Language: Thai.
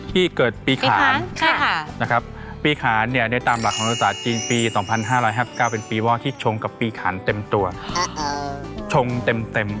ที่เกิดปีขานปีขานใช่ค่ะนะครับปีขานเนี้ยในตามหลักของนักศึกษาจีนปีสองพันห้าร้อยห้าเก้าเป็นปีว่าที่ชงกับปีขานเต็มตัวชงเต็มเต็ม